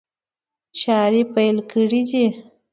چاري پيل کړي دي.